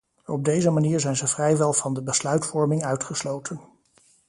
Op deze manier zijn ze vrijwel van de besluitvorming uitgesloten.